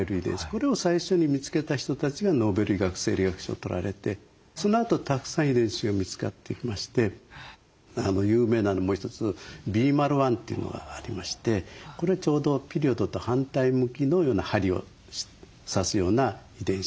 これを最初に見つけた人たちがノーベル医学・生理学賞をとられてそのあとたくさん遺伝子が見つかってきまして有名なのもう一つ「Ｂｍａｌ１」というのがありましてこれはちょうどピリオドと反対向きのような針を指すような遺伝子なんですね。